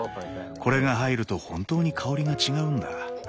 これが入ると本当に香りが違うんだ。